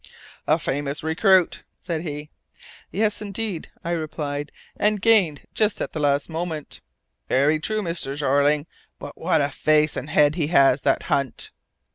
"A famous recruit," said he. "Yes, indeed," I replied, "and gained just at the last moment." "Very true, Mr. Jeorling! But what a face and head he has, that Hunt!"